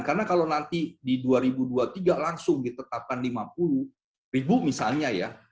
karena kalau nanti di dua ribu dua puluh tiga langsung ditetapkan rp lima puluh misalnya ya